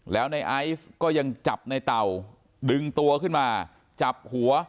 แล้วในไอซ์ก็ยังจับในเต่าดึงตัวขึ้นมาจับหัว